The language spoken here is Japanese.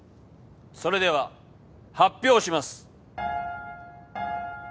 それでは発表します！